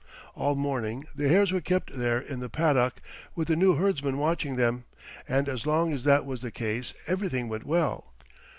All morning the hares were kept there in the paddock with the new herdsman watching them, and as long as that was the case everything went well.